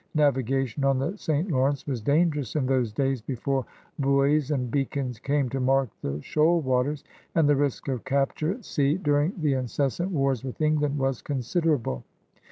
Navigation on the St. Lawrence was dangerous in those days before buoys and beacons came to mark the shoal waters, and the risk of capture at sea during the incessant wars with England was considerable.